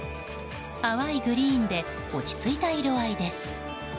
淡いグリーンで落ち着いた色合いです。